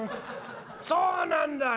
そうなんだよ。